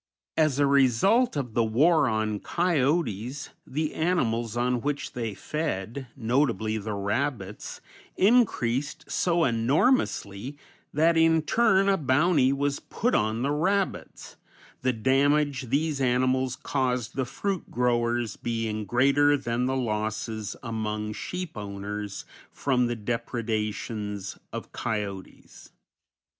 As a result of the war on coyotes the animals on which they fed, notably the rabbits, increased so enormously that in turn a bounty was put on rabbits, the damage these animals caused the fruit growers being greater than the losses among sheep owners from the depredations of coyotes.